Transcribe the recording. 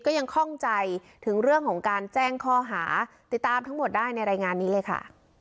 ข้องใจถึงเรื่องของการแจ้งข้อหาติดตามทั้งหมดได้ในรายงานนี้เลยค่ะ